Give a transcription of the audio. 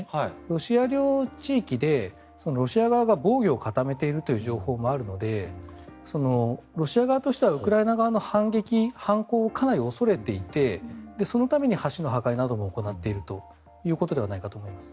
ロシア領地域でロシア側が防御を固めているという情報もあるのでロシア側としてはウクライナ側の反撃、反攻をかなり恐れていてそのために橋の破壊なども行っているということではないかと思います。